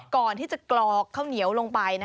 ก่อนที่จะกรอกข้าวเหนียวลงไป